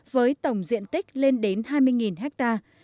với tổng diện tích lên đến hai mươi hectare